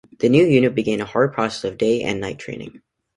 The new unit began a hard process of day and night training.